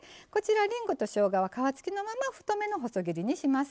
りんごとしょうがは皮付きのまま太めの細切りにします。